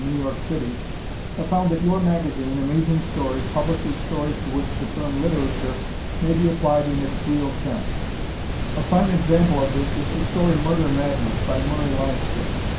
New York City have found that your magazine, Amazing Stories, publishes stories to which the term "literature" may be applied in its real sense. A fine example of this is the story "Murder Madness," by Murray Leinster.